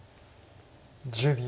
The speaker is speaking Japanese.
１０秒。